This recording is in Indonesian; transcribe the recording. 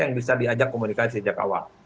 yang bisa diajak komunikasi sejak awal